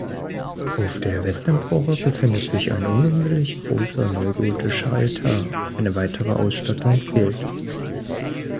Auf der Westempore befindet sich ein ungewöhnlich großer neugotischer Altar, eine weitere Ausstattung fehlt.